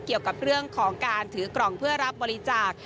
เกี่ยวกับเรื่องของการถือกล่องเพื่อรับบริจาค